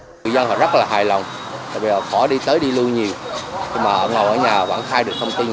người dân họ rất là hài lòng khó đi tới đi lưu nhiều nhưng mà ngồi ở nhà vẫn khai được thông tin